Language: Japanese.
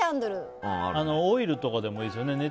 オイルとかでもいいですよね。